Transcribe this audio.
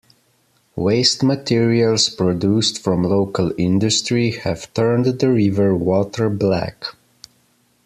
Waste materials produced from local industry have turned the river water black.